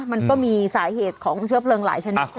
มันก็มีสาเหตุของเชื้อเพลิงหลายชนิด